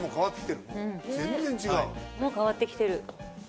もう変わってきてる。